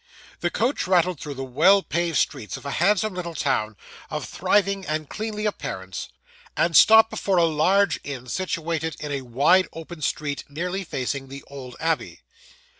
The coach rattled through the well paved streets of a handsome little town, of thriving and cleanly appearance, and stopped before a large inn situated in a wide open street, nearly facing the old abbey.